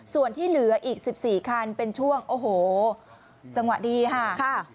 ส่วนที่เหลืออีก๑๔คันเป็นช่วงโอ้โหจังหวะดีค่ะ